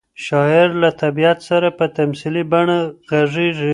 شاعر له طبیعت سره په تمثیلي بڼه غږېږي.